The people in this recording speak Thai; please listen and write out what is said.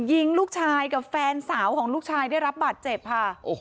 ยิงลูกชายกับแฟนสาวของลูกชายได้รับบาดเจ็บค่ะโอ้โห